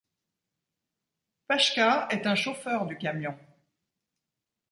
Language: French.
Pachka est un chauffeur du camion.